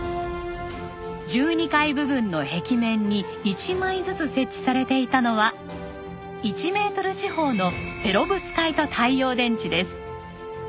１２階部分の壁面に一枚ずつ設置されていたのは１メートル四方のペロブスカイト太陽電池です。